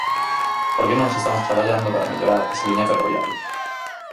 Porque nós estamos traballando para mellorar esa liña ferroviaria.